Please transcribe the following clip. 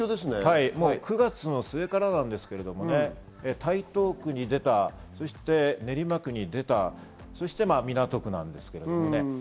９月の末頃からですけど台東区に出た、練馬区に出た、そして港区なんですけどね。